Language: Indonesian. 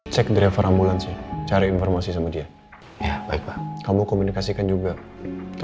cek driver ambulansnya cari informasi sama dia baiklah kamu komunikasikan juga